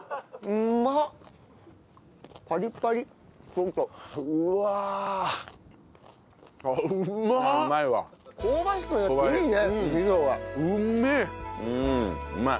うまいな！